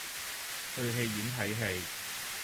去戲院睇戯